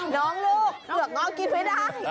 น้องลูกเผื่อกน้องกินไว้ได้